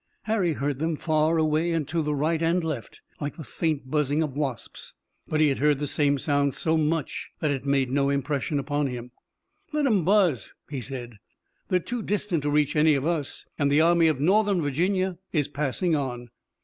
Harry heard them far away to right and left, like the faint buzzing of wasps, but he had heard the same sound so much that it made no impression upon him. "Let 'em buzz," he said. "They're too distant to reach any of us, and the Army of Northern Virginia is passing on."